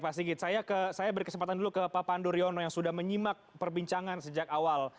pak sigit saya beri kesempatan dulu ke pak pandu riono yang sudah menyimak perbincangan sejak awal